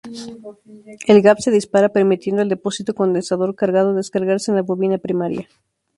El gap se dispara, permitiendo al depósito condensador cargado descargarse en la bobina primaria.